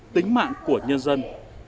tính mạng của nhân dân